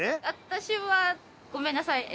私はごめんなさい。